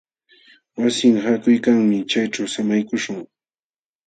Wasin haakuykanmi. Chayćhu samaykuśhun.